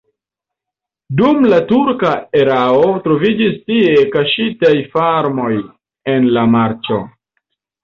Dum la turka erao troviĝis tie kaŝitaj farmoj en la marĉo.